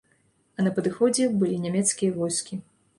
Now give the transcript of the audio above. А на падыходзе былі нямецкія войскі.